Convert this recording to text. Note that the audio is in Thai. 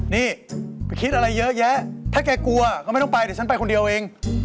นี่ไปคิดอะไรเยอะแยะถ้าแกกลัวก็ไม่ต้องไปเดี๋ยวฉันไปคนเดียวเอง